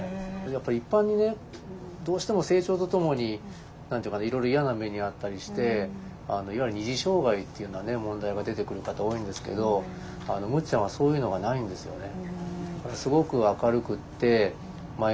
やっぱり一般にねどうしても成長とともに何て言うかないろいろ嫌な目に遭ったりしていわゆる二次障害っていうような問題が出てくる方多いんですけどむっちゃんはそういうのがないんですよね。